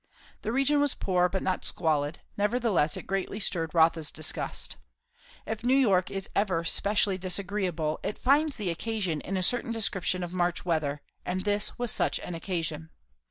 The region was poor, but not squalid; nevertheless it greatly stirred Rotha's disgust. If New York is ever specially disagreeable, it finds the occasion in a certain description of March weather; and this was such an occasion.